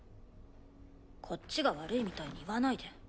こっちが悪いみたいに言わないで。